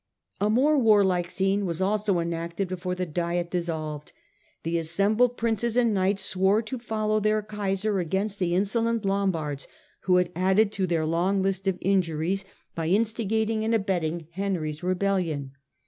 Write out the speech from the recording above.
A more warlike scene was also enacted before the Diet dissolved. The assembled Princes and knights swore to follow their Kaiser against the insolent Lombards, who had added to their long list of injuries by instigating and abetting Henry's rebellion.